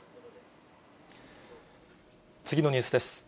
次のニュースです。